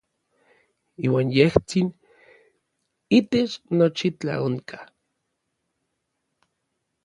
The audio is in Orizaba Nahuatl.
Iuan yejtsin itech nochi tlaonkaj.